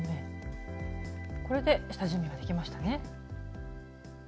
これで下準備ができましたね。